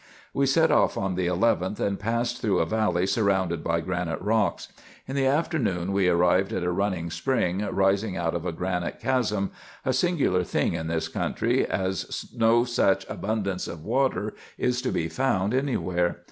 We set off on the 1 1 th, and passed through a valley surrounded by granite rocks. In the afternoon we arrived at a running spring, rising out of a granite chasm — a singular thing in this country, as no such abundance of water is to be found any where.